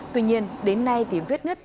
tuy nhiên đến nay thì viết nứt